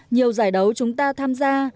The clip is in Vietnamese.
nhiều giải đấu chúng ta tham gia